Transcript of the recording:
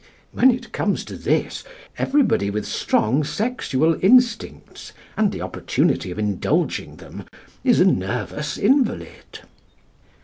When it comes to this, everybody with strong sexual instincts, and the opportunity of indulging them, is a nervous invalid.